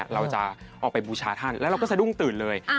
เราจะออกไปบูชาท่านแล้วเราก็สะดุ้งตื่นเลย